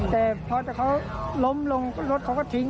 แต่พอเขาล้มลงรถเขาก็ทิ้ง